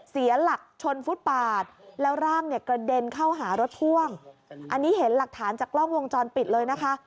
เสียหลักชนฟุตปาดแล้วร่างเนี่ยกระเด็นเข้าหารถพ่วงอันนี้เห็นหลักฐานจากกล้องวงจรปิดเลยนะคะ